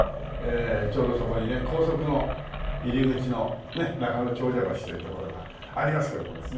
ちょうどそこにね高速の入り口のね中野長者橋という所がありますけどもですね